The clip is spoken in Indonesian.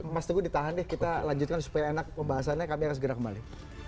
mas teguh ditahan deh kita lanjutkan supaya enak pembahasannya kami akan segera kembali